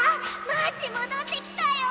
マーチもどってきたよ！